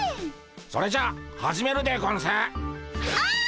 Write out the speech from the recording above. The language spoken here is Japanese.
それじゃ始めるでゴンス。